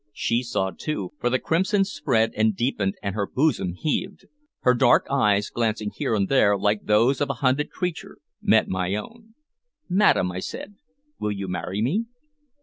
She saw, too, for the crimson spread and deepened and her bosom heaved. Her dark eyes, glancing here and there like those of a hunted creature, met my own. "Madam," I said, "will you marry me?"